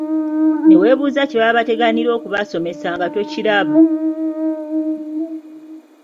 Ne weebuuza kye baba bateganira okubasomesa nga tokiraba!